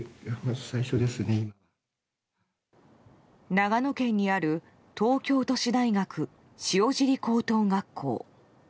長野県にある東京都市大学塩尻高等学校。